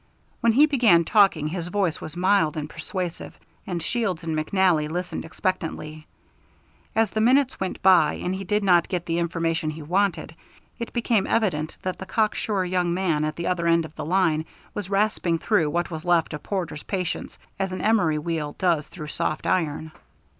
When he began talking his voice was mild and persuasive, and Shields and McNally listened expectantly. As the minutes went by and he did not get the information he wanted, it became evident that the cocksure young man at the other end of the line was rasping through what was left of Porter's patience as an emery wheel does through soft iron.